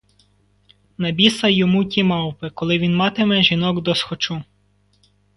На біса йому ті мавпи, коли він матиме жінок досхочу.